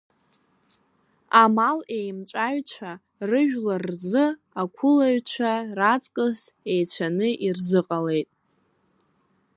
Амал еимҵәаҩцәа рыжәлар рзы, ақәылаҩцәа раҵкыс еицәаны ирзыҟалеит.